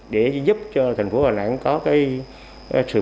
để giúp cho thành phố đà nẵng có sự phát triển mạnh hơn